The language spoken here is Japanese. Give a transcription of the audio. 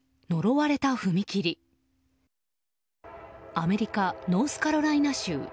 アメリカ・ノースカロライナ州。